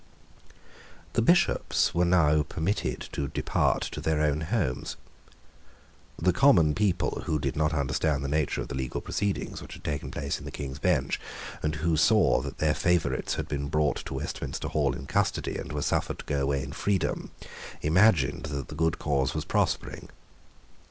The Bishops were now permitted to depart to their own homes. The common people, who did not understand the nature of the legal proceedings which had taken place in the King's Bench, and who saw that their favourites had been brought to Westminster Hall in custody and were suffered to go away in freedom, imagined that the good cause was prospering.